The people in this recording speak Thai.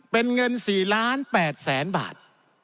เป็นเงิน๔ล้าน๘แสนบาท